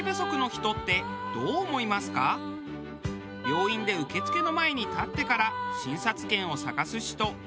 病院で受付の前に立ってから診察券を探す人。